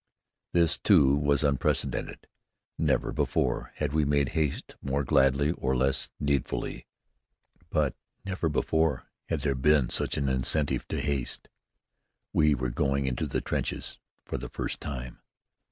This, too, was unprecedented. Never before had we made haste more gladly or less needfully, but never before had there been such an incentive to haste. We were going into the trenches for the first time.